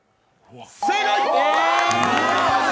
正解！